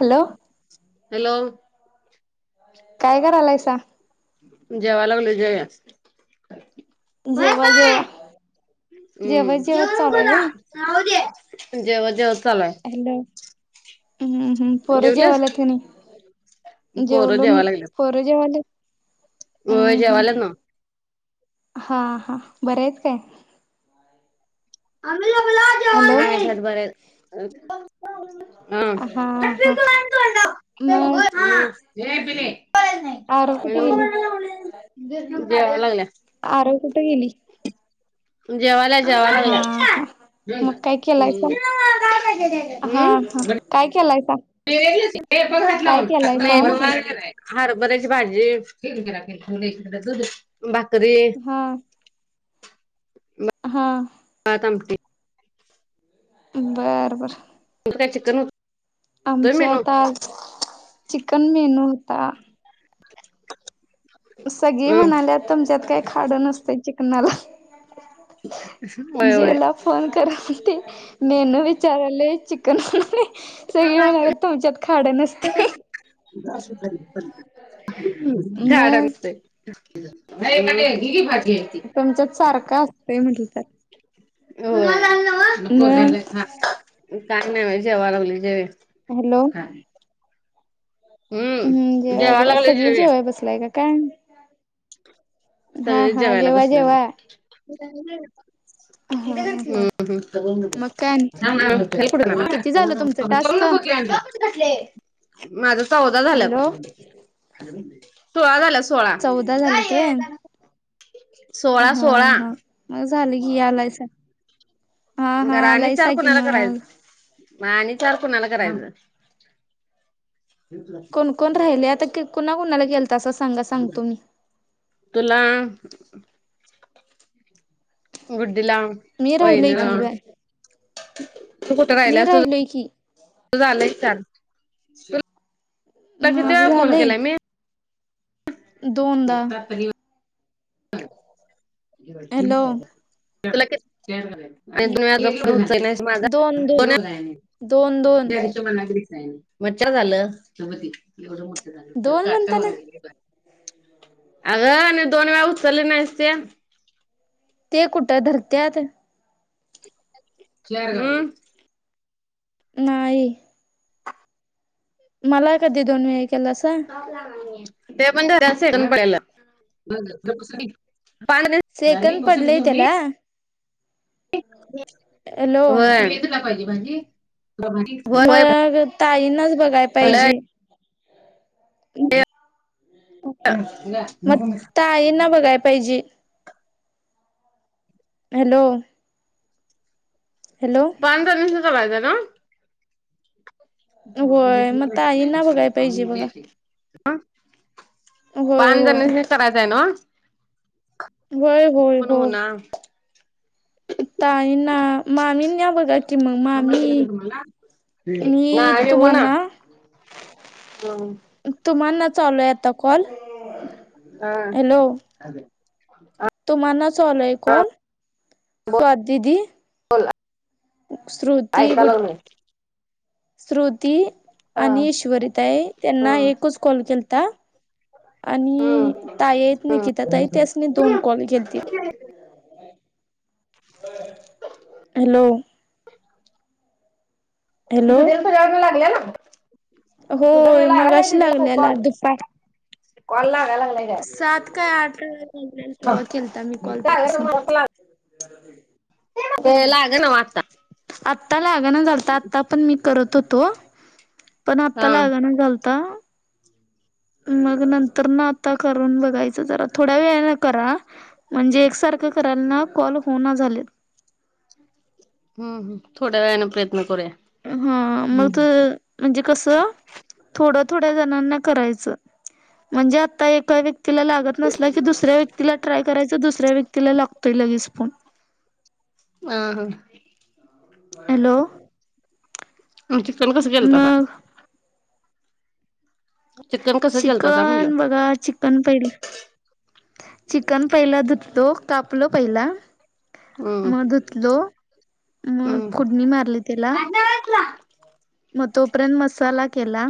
Hello. Hello. काय करलायसा? जेवा लागलोय. जेव ये. जेवा जेवा, जेवत जेवत चालुय व्हय. राहुदे, जेवत जेवत चालुआय. हॅलो. हम्म हम्म, पोर जेवलीस जेवाल्यात कणी, पोरं जेवलो जेवाय मी, पोर जेवाल्यात. व्हय हम्म हम्म जेवाल्यात न्हव. हा हा, बरं हाईस काय. हॅलो [unintelligible] हा हा मग [unintelligible] आरु कुठे गेली? जेवा लागल्या. आरु कुठे गेली? जेवाल्या जेवाय हा हा लागल्या. मग काय केलायसा? हा हा [unintelligible] काय केलायसा. घातला काय केलायसा म्हटलं? [unintelligible] हरभऱ्याची भाजी, भाकरी. हां. हा. भात आमटी. बरं तुमचं काय चिकन होत. मेनू आमच्यात आज चिकन मेनू होता. सगळी हम् म्हणाल्यात तुमच्यात काय खाडं नसतंय चिकनाला. होय होय. जेला फोन कर ते मेनु विचाराले चिकन बनणे [unintelligible] सगळी म्हणाल्यात तुमच्यात खाड नसतय. हम्म, खाड मग नसतंय. नाही पाट कती पाठे [unintelligible] तुमच्यात सारख असतय म्हटल तर जा खा मग [unintelligible] काय नाही बाई, जेवाय लागलोय जेव ये. हॅलो. हूं हम्म जेवा जेवा, लागलोय सगळी जेवे जेवाय बसलाय का काय? हा सगळे हा जेवायला जेवा बसलेलो. जेवा हा हा हूं मग हूं! काय आणि किती झालं तुमचं टास्क? [unintelligible] माझ चौदा झाल्यात. हॅलो सोळा झाल्या सोळा. चौदा झालेत व्हय सोळा हा सोळा हा, माझं झालं की यालाइसा. गर आणि चार कुणाला कराय! मग म आणि चार कुणाला करायचं? कोण कोण राहिलंय आता की-कुणाला कुणाला केलतासा असं सांगा सांगतो मी. तुला! गुड्डीला! मी राहिलोय वहिनीला कि बाई. तू कुठ राहिल्यास राहिलोय की तुझं झालंय चार. माझं कितीवेळा फोन झालंय केला मी? दोनदा! हॅलो तूला कि [unintelligible] दोन दोन दोन दोन तुम्हांल लागलीच नाही मी, मच्चर झाल ते बा ते एवढं मोठ झालं तर दोन म्हणताना काटत. अगं आणि दोन वेळा उचलंली नाहीस ते. ते कुठं धरत्यात. हूं! नाही. माला कधी दोन वेळ केलासा! ते पण धरायचं सेकंद पडलेलं. सेकंद पडलेय त्याला [unintelligible] [unintelligible] हॅलो व्हय! मग ताईनच बघाय पडलंय. पाहिजे. [inaudible] नां मग नको मी! ताईंना बघाय पाहिजे. हॅलो! हॅलो पांज जणीसनी करायचंय ना? [unintelligible] होय मग ताईंना बघाय पाहिजे बघा होय पांज होय जणीसनी करायचं हाय नव्ह! होय होय पण हो होय! ना ताईंना, मामीनंन्यावं. बघा कि म मामी मी नाही हो ना तुम्हांना [unintelligible] तुम्हाना चालूय आता कॉल हॅलो! अ! तुम्हांना चालु हाय कॉल स्वातीदी? बोला! श्रुती गुड श्रुती! हा आणि ईश्वरिताई हा त्यांना एकच कॉल केलता. हा आणि ताई हाईत निकिता ताई त्यासनी दोन कॉल केलतीत. हॅलो [unintelligible] हॅलो तुझं मी होय लागाय नाही मगाशी तिथ को लागलेला फोन कॉल दुपार कॉल लागाय लागाय लागलाय काय? सात काय आठ तेव्हा केलता मी कॉल त्यासनी [unintelligible] [unintelligible] ते लागला न्हवं आता. आत्ता लागना झालता आता पण मी करत होतो. पण आत्ता हा हम्म लागणा झालता. मग नंतर न आता करून बघायचं जरा थोड्या वेळानं करा. म्हणजे एकसारखं करायला ना कॉल हुं ना झालेत हम् हम थोड्या वेळांन प्रयत्न करुया. हा मग म्हणजे कस थोड्या थोड्या जणांना करायचं. म्हणजे आता एका व्यक्तीला लागत नसला की दुसऱ्या व्यक्तीला ट्राय करायचं दुसऱ्या व्यक्ती तिला लागतोय लगेच फोन. हा हा हॅलो चिकन कसं केलतासा. मग चिकन कसं केलतासा म्हणलं चिकन बघा ची चन पहिला. चिकन पहिला धुतलो कापलो पहिला हम्म मग धुतलो. मग हम्म फोडणी मारली त्याला मग तोपर्यंत मसाला केला.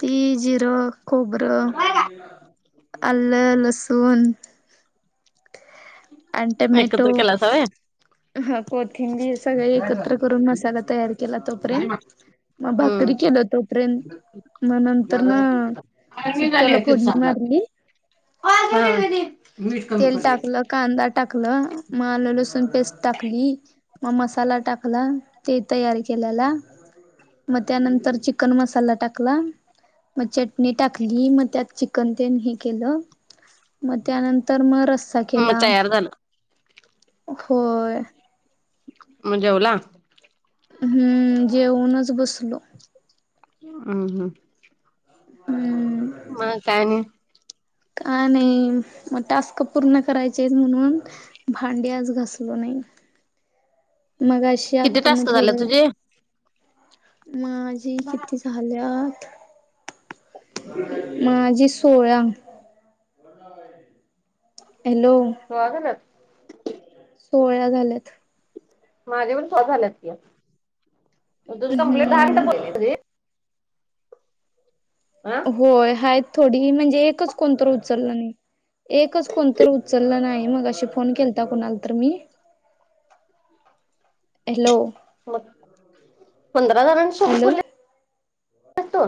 तीळ, जीर खोबरं, आलं, लसूण. आणि टमॅटो एकत्र केलासा व्हय. हा कोथिंबीर सगळ एकत्र करून मसाला तयार केला तोपर्यंत. म हम्म भाकरी केलो तोपर्यंत मग नंतर न सुक्याला फोडणी मारली. हा तेल टाकलं, कांदा टाकलं, म लसूण पेस्ट टाकली. म मसाला टाकला ते तयार केल्याला. म त्यानंतर चिकन मसाला टाकला. म चटणी टाकली मग त्यात चिकन तेन हे केलं मग त्यानंतर म रस्सा मग केला. तयार झालं होय म जेवला. हम्म जेऊनच बसलो. हा हा हम्म मग काय आणि काय नाही मग टास्क पूर्ण करायचेच म्हणून भांडी आज घसलो नाही मगाशी किती आतून टास्क झाले थोडं तुझे? माजी किती झा झाल्यात माझी सोळा हॅलो सोळा झाल्यात. सोहळ्या झाल्यात. माझे पण सोळा झालेत की. तुझी कंप्लीट दहा मिनिट हम्म बोलली हा होय हायत थोडी. म्हणजे एकच कोणतरी उचलल नाही. एकच कोणतरी उचलल नाही. मघाशी फोन केलता कुणाला तर मी. हॅलो मग पंधरा जणांच हॅलो तो,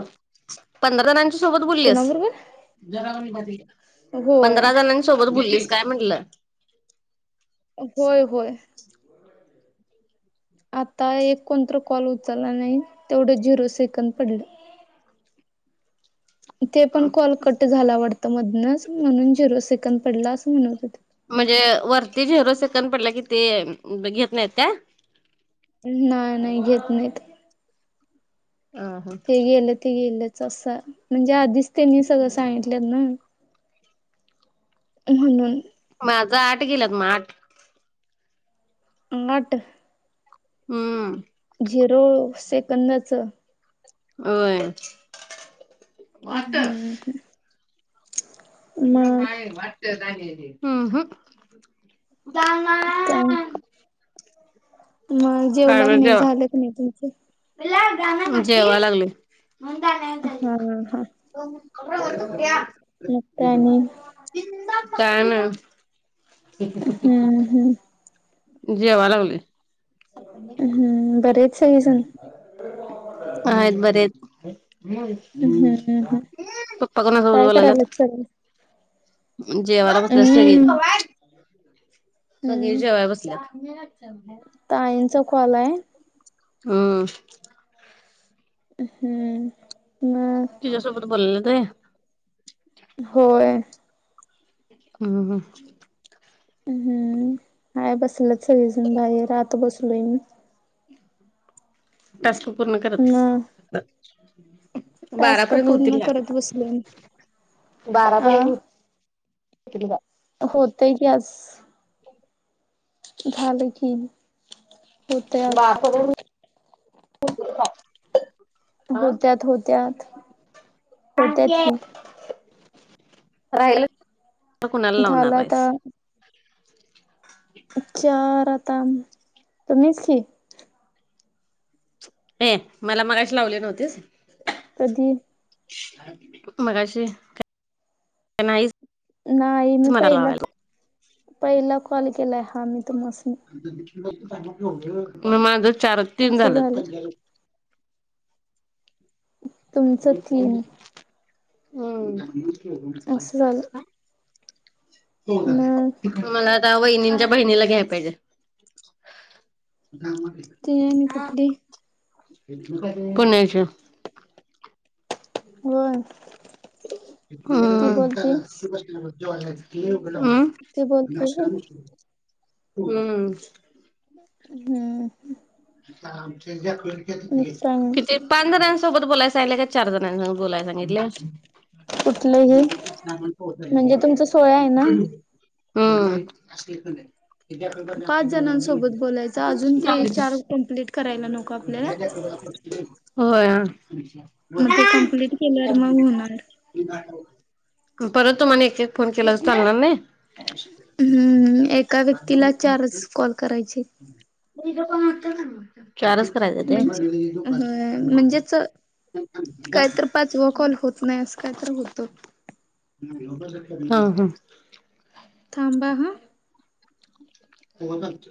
पंधरा जणांच्या सोबत बोललीस. कुणाबरोबर होय पंधरा जणांसोबत बोललीस काय म्हटल. होय होय आता एक कोणतर कॉल उचलला नाही. तेवढ झिरो सेकंद पडल. ते पण कॉल कट झाला वाटत मधनच, म्हणून झिरो सेकंड पडला अस म्हणत होते. म्हणजे वरती झेरो सेकंद पडला कि ते घेत नाहीत का? नाही नाही घेत नाहीत. हा हा ते गेल ते गेलच अस. म्हणजे आधीच त्यांनी सगळ सांगितल ना. म्हणून माझ आठ गेल्यात मग आठ. आट हम्म झिरो सेकंदाच व्हय उम्म हम्म हम्म हे बघ मग माये [unintelligible] उम्म हम्म [unintelligible] [unintelligible] मग जेवला का नाही. झाल का नाही तुमच? जेवा लागलोय. हा हा मग काय आणि? [unintelligible] काय नाही. हम्म हम्म. जेवा लागलोय. हम्म, बरे आहेत सगळीजण. आहेत बरे आहेत. हम्म हम्म. पप्पा कोणा सोबत काय बोलायल्यात? करायल्यात सगळे? उम्म, जेवायला बसल्यात सगळे. हम्म सगळे हम्म. जेवाय बस [unintelligible] ताईंचा कॉल आहे. हम्म हम्म मग तिज्या सोबत बोलल्यात व्हय. होय हम्म हम्म हम्म हम्म, हाय बसल्यात सगळी जण बाहेर. आत बसलोय मी. टास्क पूर्ण करत. मग टास्क बारापर्यंत पूर्ण होतील का? करत बसले मी. आ बारापर्यंत हो तील का? होतय की आज. [inaudible] झाल की. बाप होत्याच [unintelligible] होत्यात होत्यात होत्यात की. राहीलत तर कोणाला झाला लावणार आहेस. आता चार आता तुम्हीच की. हे मला मघाशी लावली नव्हतीस. कधी. मघाशी नाही मी मला पहिला, लावायला पहिला कॉल केलाय हा मी तुम्हासनी. माझं चार-तीन असं झाल्यात झालं मग. तुमचं तीन असं झालं हम. मग मला आता वहिनींच्या बहिणीला घ्याय पाहिजे. कामाते का. ती आणि कुठली. पुण्याची. होय. ती हं, बोलते अं. ती नाष्टाला बोलते व्हय दे, हं. हम्म. आमचे जाकवेल तेन मग होती काय नाही की. पाच जणांसोबत बोलाय सांगितले का चार जणांसोबत बोलाय सांगितलय. कुठलं हे नाही, नाही पोहतोय म्हणजे तुमचं सोळा आहे ना आम्ही. हम्म. पाच जणांसोबत बोलयचय, अजून ते चार कप्लीट करायला नको. आपल्याला होय. मग ते कम्प्लीट केल्यावर मग होणार. [unintelligible] परत तुम्हाला एक-एक फोन केला अस चालणार नाही. हम्म, एका व्यक्तीला चारच कॉल करायचे. [unintelligible] म्हणजे चारच होय म्हणजेच करायचंत काय तर पाचवा कॉल होय. होत नाही असं काय तर होतं. हा-हा. थांबा. होतात.